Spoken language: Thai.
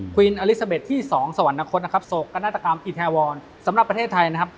วินอลิซาเบสที่๒สวรรคตนะครับโศกนาฏกรรมอิทาวรสำหรับประเทศไทยนะครับ